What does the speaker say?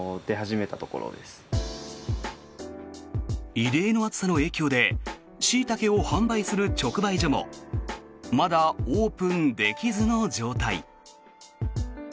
異例の暑さの影響でシイタケを販売する直売所もまだオープンできずの状態。